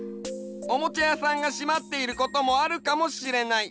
おもちゃやさんがしまっていることもあるかもしれない。